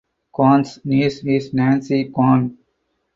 Kwan’s niece is Nancy Kwan.